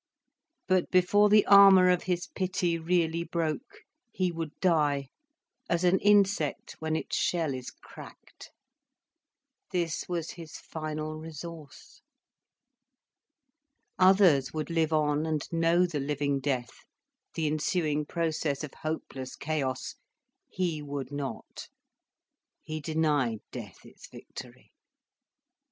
But before the armour of his pity really broke, he would die, as an insect when its shell is cracked. This was his final resource. Others would live on, and know the living death, the ensuing process of hopeless chaos. He would not. He denied death its victory.